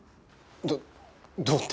どどうって？